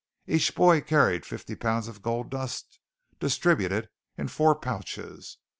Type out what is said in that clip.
Each boy carried fifty pounds of gold dust distributed in four pouches.